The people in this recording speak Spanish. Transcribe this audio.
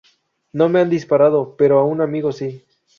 No me han disparado, pero a un amigo sí.